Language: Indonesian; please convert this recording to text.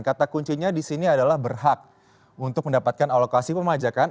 kata kuncinya di sini adalah berhak untuk mendapatkan alokasi pemajakan